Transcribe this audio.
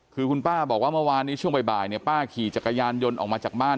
คือคุณป้าบอกว่าเมื่อวานนี้ช่วงบ่ายเนี่ยป้าขี่จักรยานยนต์ออกมาจากบ้าน